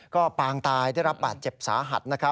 ก็ปางตายได้รับบาดเจ็บสาหัส